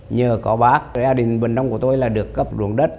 nhờ có bác gia đình bên nông của tôi là được cấp ruộng đất